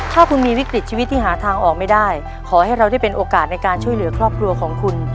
ถ้าคุณมีวิกฤตชีวิตที่หาทางออกไม่ได้ขอให้เราได้เป็นโอกาสในการช่วยเหลือครอบครัวของคุณ